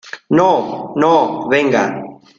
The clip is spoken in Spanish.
no. no, venga .